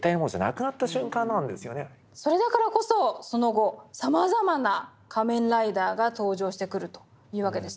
それだからこそその後さまざまな仮面ライダーが登場してくるというわけですね。